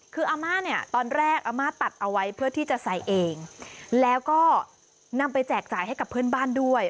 คืออาม่าเนี่ยตอนแรกอาม่าตัดเอาไว้เพื่อที่จะใส่เองแล้วก็นำไปแจกจ่ายให้กับเพื่อนบ้านด้วย